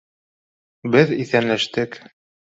Беҙ иҫәнләштек.